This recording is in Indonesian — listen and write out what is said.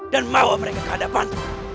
dan bawa mereka ke hadapan